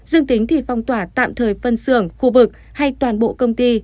dương tính thì phong tỏa tạm thời phân xưởng khu vực hay toàn bộ công ty